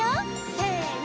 せの！